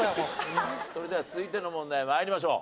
それでは続いての問題参りましょう。